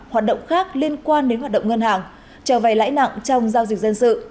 hoạt động khác liên quan đến hoạt động ngân hàng trở về lãi nặng trong giao dịch dân sự